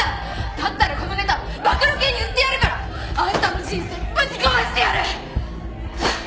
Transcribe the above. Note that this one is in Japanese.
だったらこのネタ暴露系に売ってやるから！あんたの人生ぶち壊してやる！